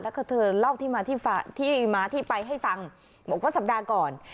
แล้วก็เธอเล่าที่มาที่มาที่ไปให้ฟังบอกว่าสัปดาห์ก่อน